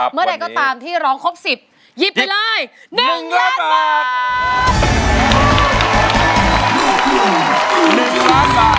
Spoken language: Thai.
เมื่อใดก็ตามที่ร้องครบ๑๐หยิบไปเลย๑ล้านบาท